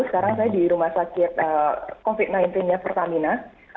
sekarang saya di rumah sakit covid sembilan belas nya pertamina